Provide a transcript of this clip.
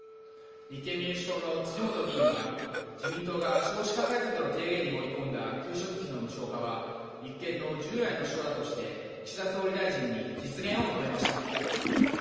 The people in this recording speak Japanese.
立憲民主党の辻元議員は、自民党が少子化対策の提言に盛り込んだ給食費の無償化は、立憲の従来の主張だとして、岸田総理大臣に実現を求めました。